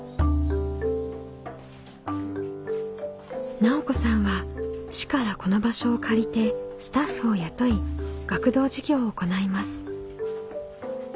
奈緒子さんは市からこの場所を借りてスタッフを雇い学童事業を行います。